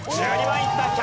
１２番いった。